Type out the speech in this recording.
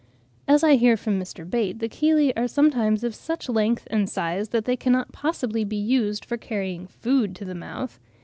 As I hear from Mr. Bate, the chelae are sometimes of such length and size that they cannot possibly be used for carrying food to the mouth.